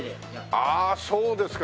ああそうですか。